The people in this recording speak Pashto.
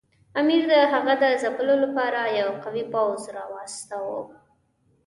امیر د هغه د ځپلو لپاره یو قوي پوځ ورواستاوه.